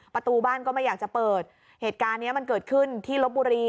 ประตูบ้านก็ไม่อยากจะเปิดเหตุการณ์เนี้ยมันเกิดขึ้นที่ลบบุรี